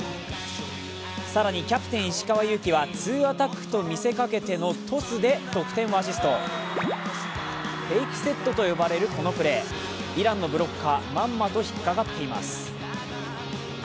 更にキャプテン・石川祐希はツーアタックと見せかけての得点をアシスト、フェイクセットと呼ばれるこのプレーイランのブロッカー、まんまと引っ掛かっています。